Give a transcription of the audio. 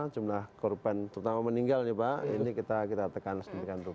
jumlah korban terutama meninggal nih pak ini kita tekan sedemikian rupa